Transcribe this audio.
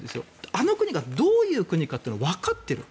あの国がどういう国かってのをわかっている。